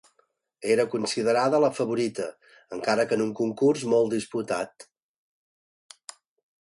Era considerada la favorita, encara que en un concurs molt disputat.